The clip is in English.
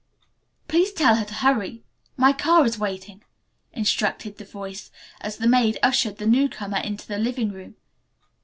"Please tell her to hurry, my car is waiting," instructed the voice, as the maid ushered the newcomer into the living room.